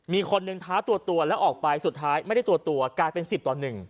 มีคนหนึ่งท้าตัวแล้วออกไปสุดท้ายไม่ได้ตัวตัวกลายเป็น๑๐ต่อ๑